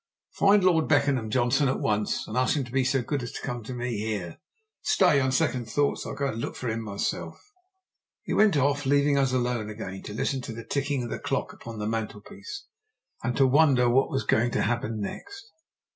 "Find Lord Beckenham, Johnson, at once, and ask him to be so good as to come to me here. Stay on second thoughts I'll go and look for him myself." He went off, leaving us alone again to listen to the ticking of the clock upon the mantelpiece, and to wonder what was going to happen next.